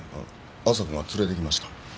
亜沙子が連れて行きました。